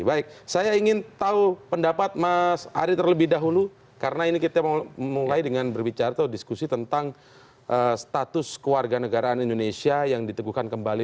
baik saya ingin tahu pendapat mas ari terlebih dahulu karena ini kita mulai dengan berbicara atau diskusi tentang status keluarga negaraan indonesia yang diteguhkan kembali